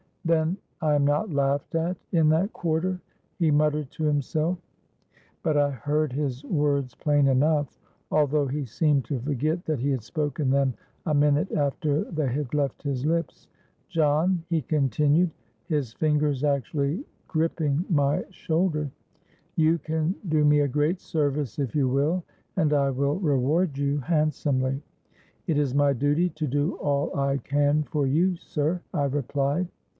—'Then I am not laughed at in that quarter!' he muttered to himself; but I heard his words plain enough, although he seemed to forget that he had spoken them a minute after they had left his lips. 'John,' he continued, his fingers actually griping my shoulder, 'you can do me a great service if you will; and I will reward you handsomely.'—'It is my duty to do all I can for you, sir,' I replied.